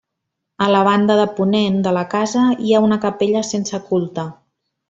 A la banda de ponent de la casa hi ha una capella sense culte.